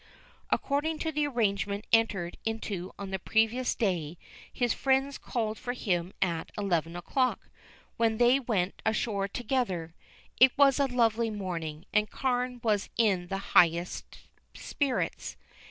According to the arrangement entered into on the previous day his friends called for him at eleven o'clock, when they went ashore together. It was a lovely morning, and Carne was in the highest spirits.